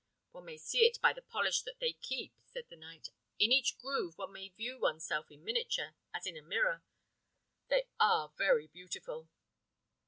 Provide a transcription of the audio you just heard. "One may see it by the polish that they keep," said the knight. "In each groove one may view oneself in miniature, as in a mirror. They are very beautiful!"